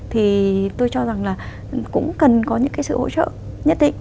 thì tôi cho rằng là cũng cần có những cái sự hỗ trợ nhất định